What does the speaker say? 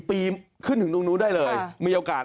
ปีขึ้นถึงตรงนู้นได้เลยมีโอกาส